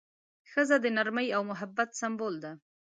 ښځه د نرمۍ او محبت سمبول ده.